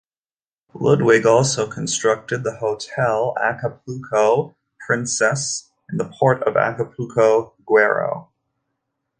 Ludwig also constructed the hotel Acapulco Princess in the port of Acapulco, Guerrero.